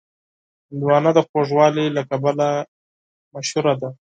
هندوانه د خوږوالي له کبله مشهوره ده.